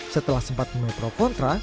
setelah sempat di metro kontra